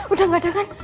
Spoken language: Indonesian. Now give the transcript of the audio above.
udah gak ada kan